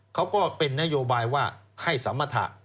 เขาก็เป็นนโยบายว่าให้สัมมถะ